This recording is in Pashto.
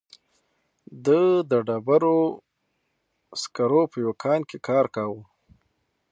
د ډبرو سکرو په یوه کان کې کار کاوه.